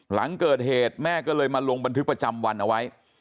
หลังเกิดเหตุแม่ก็เลยมาลงบันทึกประจำวันเอาไว้